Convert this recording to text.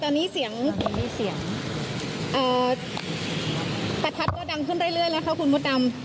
แล้วตอนนี้เสียงเอ่อประทับก็ดังขึ้นเรื่อยแล้วค่ะคุณมดดำ